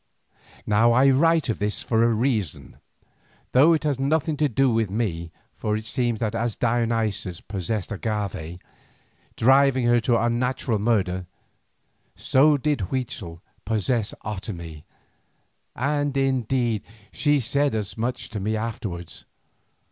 Now I write of this for a reason, though it has nothing to do with me, for it seems that as Dionysus possessed Agave, driving her to unnatural murder, so did Huitzel possess Otomie, and indeed she said as much to me afterwards.